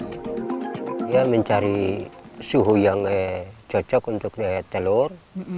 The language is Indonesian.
saya mencari suhu yang cocok untuk telur